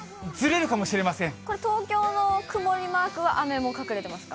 これ、東京の曇りマークは雨も隠れてますか。